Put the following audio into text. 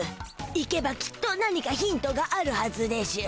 行けばきっと何かヒントがあるはずでしゅ。